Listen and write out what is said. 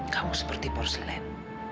kamu seperti porselen